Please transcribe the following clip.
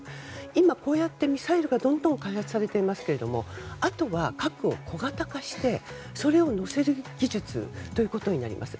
今、こうやってミサイルがどんどん開発されていますがあとは、核を小型化してそれを載せる技術ということになります。